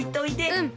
うん。